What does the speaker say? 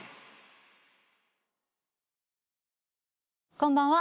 こんばんは。